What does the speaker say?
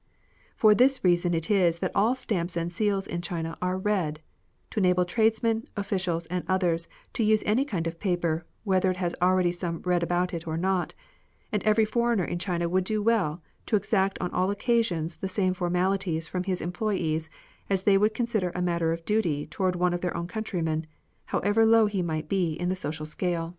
For this reason it is that all stamps and seals in China are red — to enable tradesmen, officials, and others to use any kind of paper, whether it has already some red about it or not ; and every foreigner in China would do well to exact on all occasions the same for malities from his employes as they would consider a matter of duty towards one of their own countrymen, however low he might be in the social scale.